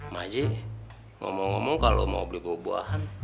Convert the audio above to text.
mbak haji ngomong ngomong kalo mau beli buah buahan